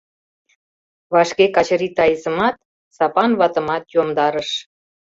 Вашке Качырий Таисымат, Сапан ватымат йомдарыш.